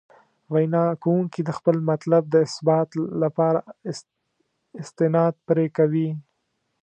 وینا کوونکي د خپل مطلب د اثبات لپاره استناد پرې کوي.